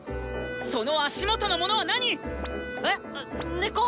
その足元のものは何⁉え⁉根っこ？